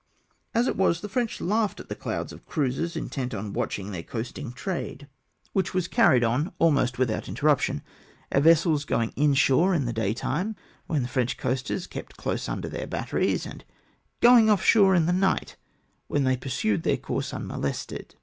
As it w^as — the French laughed at the clouds of ciuisers intent on watching their coasting trade, whicli NIGHT WORK. 365 was carried on almost without interruption ; our vessels going in shore in the day time, when the French coasters kept close under their batteries, and going off shore in the night, when they pursued their course un molested.